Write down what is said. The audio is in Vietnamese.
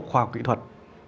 khoa học kỹ thuật